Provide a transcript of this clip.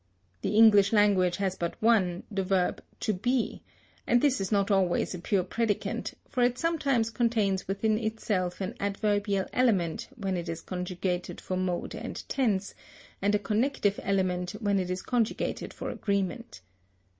The English language has but one, the verb to be, and this is not always a pure predicant, for it sometimes contains within itself an adverbial element when it is conjugated for mode and tense, and a connective element when it is conjugated for agreement.